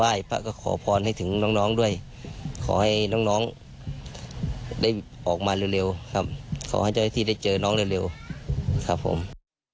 มีชาวบ้านจำนวนมากพากันไปไหว้สักระขอพร